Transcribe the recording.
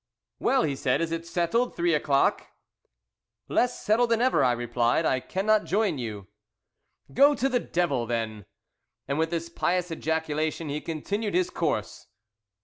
"Well," he said, "is it settled? Three o'clock." "Less settled than ever," I replied "I cannot join you." "Go to the Devil, then!" And with this pious ejaculation he continued his course.